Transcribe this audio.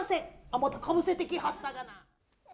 また、かぶせてきはったがな。